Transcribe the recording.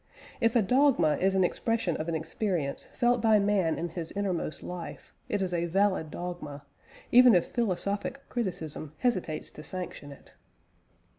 If a dogma is an expression of an experience felt by man in his innermost life, it is a valid dogma, even if philosophic criticism hesitates to sanction it.